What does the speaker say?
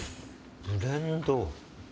ブレンド。